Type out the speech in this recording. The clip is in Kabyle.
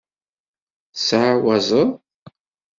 Tettɛawazeḍ?